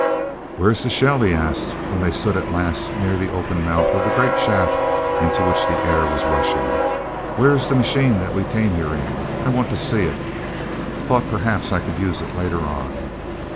"Where is the shell?" he asked, when they stood at last near the open mouth of the great shaft into which the air was rushing. "Where is the machine that we came here in? I wanted to see it—thought perhaps I could use it later on.